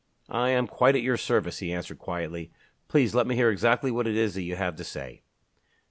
"I am quite at your service," he answered quietly. "Please let me hear exactly what it is that you have to say."